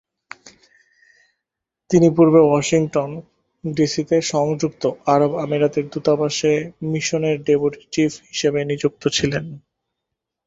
তিনি পূর্বে ওয়াশিংটন, ডিসি-তে সংযুক্ত আরব আমিরাতের দূতাবাসে মিশনের ডেপুটি চীফ হিসেবে নিযুক্ত ছিলেন।